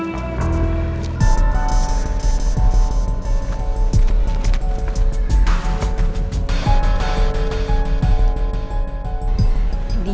saya juga ikut mundur pak